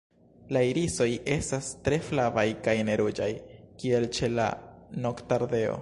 La irisoj estas tre flavaj kaj ne ruĝaj, kiel ĉe la Noktardeo.